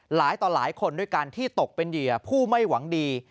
หลายคนด้วยกันที่ตกเป็นเหยื่อผู้ไม่หวังดี